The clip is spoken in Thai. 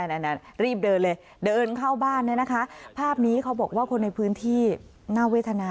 นั่นรีบเดินเลยเดินเข้าบ้านเนี่ยนะคะภาพนี้เขาบอกว่าคนในพื้นที่น่าเวทนา